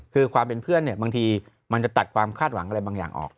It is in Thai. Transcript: คือความเป็นเพื่อนเนี่ยบางทีมันจะตัดความคาดหวังอะไรบางอย่างออก